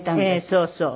そうそう。